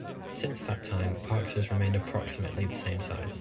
Since that time, Parks has remained approximately the same size.